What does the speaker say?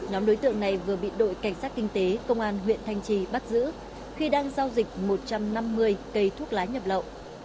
nhóm đối tượng này vừa bị đội cảnh sát kinh tế công an huyện thanh trì bắt giữ khi đang giao dịch một trăm năm mươi cây thuốc lá nhập lậu